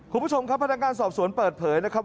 คุณผู้ชมครับพนักงานสอบสวนเปิดเผยนะครับ